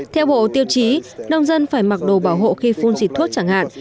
theo bộ tiêu chí nông dân phải mặc đồ bảo hộ khi phun xịt thuốc chẳng hạn